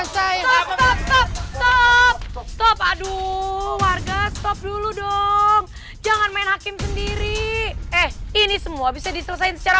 saya top stop aduh warga stop dulu dong jangan main hakim sendiri eh ini semua bisa diselesaikan secara